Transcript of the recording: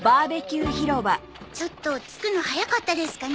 ちょっと着くの早かったですかね？